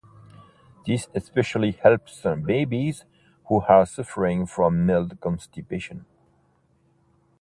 This especially helps babies who are suffering from mild constipation.